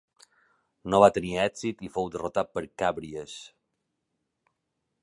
No va tenir èxit i fou derrotat per Càbries.